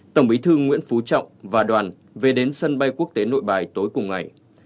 tổng bí thư nguyễn phú trọng và đoàn về đến sân bay quốc tế nội bài tối cùng ngày